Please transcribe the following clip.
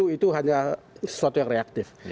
itu hanya sesuatu yang reaktif